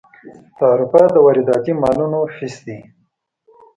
تعرفه د وارداتي مالونو فیس دی.